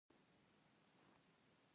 د هېواد مرکز د افغانانو د ګټورتیا برخه ده.